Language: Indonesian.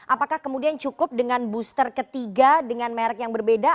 apakah kemudian cukup dengan booster ketiga dengan merek yang berbeda